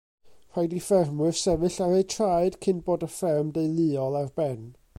Rhaid i ffermwyr sefyll ar eu traed cyn bod y fferm deuluol ar ben.